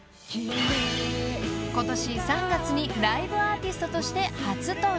［ことし３月にライブアーティストとして初登場］